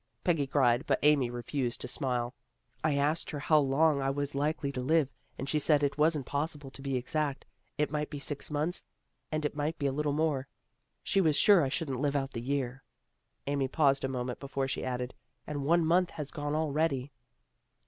Peggy cried, but Amy refused to smile. " I asked her how long I was likely to live, and she said it wasn't possible to be exact. It might be six months, and it might be a little more. She was sure I shouldn't live out the year." Amy paused a moment before she added, " And one month has gone already."